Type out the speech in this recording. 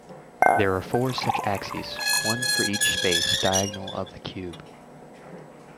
There are four such axes, one for each space diagonal of the cube.